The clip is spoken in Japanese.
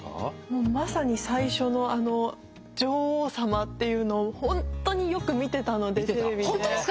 もうまさに最初のあの女王様っていうのを本当によく見てたのでテレビで。